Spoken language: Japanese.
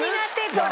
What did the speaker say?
これ。